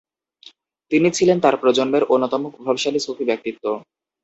তিনি ছিলেন তাঁর প্রজন্মের অন্যতম প্রভাবশালী সুফি ব্যক্তিত্ব ।